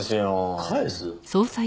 返す？